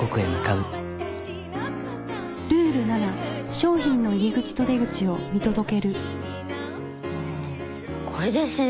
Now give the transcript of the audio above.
うんこれですね